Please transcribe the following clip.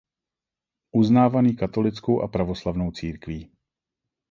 Uznávaný katolickou a pravoslavnou církví.